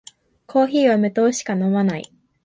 コーヒーは無糖しか飲まない